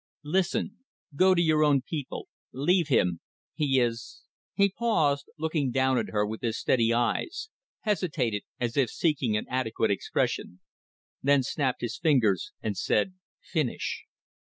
Listen. Go to your own people. Leave him. He is ..." He paused, looked down at her with his steady eyes; hesitated, as if seeking an adequate expression; then snapped his fingers, and said "Finish."